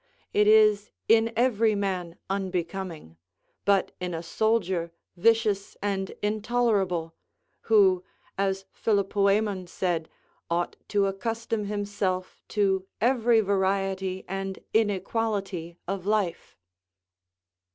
It is in every man unbecoming, but in a soldier vicious and intolerable: who, as Philopcemen said, ought to accustom himself to every variety and inequality of life.